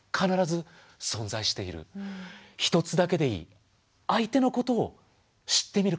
１つだけでいい相手のことを知ってみること。